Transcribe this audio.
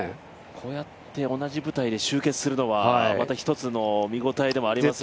こうやって同じ舞台で集結するのはまたひとつの見応えでもありますよね。